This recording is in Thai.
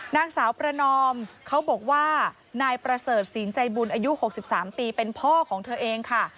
นางสาวประนอมเขาบอกว่านายประเสริฐศีลใจบุญอายุ๖๓ปีเป็นพ่อของเธอเองค่ะ